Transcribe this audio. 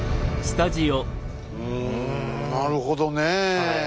うんなるほどねえ。